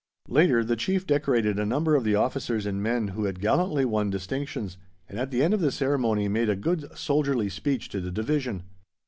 Later, the Chief decorated a number of the officers and men who had gallantly won distinctions, and at the end of the ceremony made a good soldierly speech to the Division.